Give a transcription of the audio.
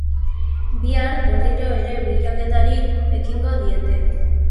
Bihar berriro ere bilaketari ekingo diete.